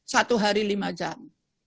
satu hari lima jam